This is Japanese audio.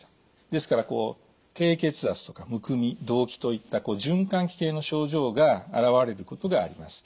ですから低血圧とかむくみ動悸といった循環器系の症状が現れることがあります。